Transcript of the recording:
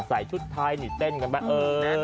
ใส่ชุดไทนี่เต้นกันมาเออ